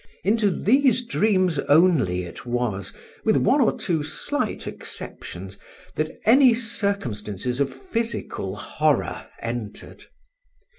Into these dreams only it was, with one or two slight exceptions, that any circumstances of physical horror entered.